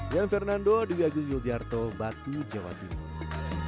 dan fernando di yogyakarta batu jawa timur